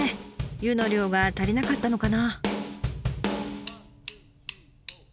湯の量が足りなかったのかな。